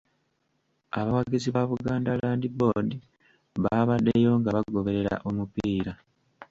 Abawagizi ba Buganda Land Board baabaddeyo nga bagoberera omupiira.